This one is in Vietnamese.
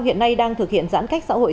hiện nay đang thực hiện giãn cách xã hội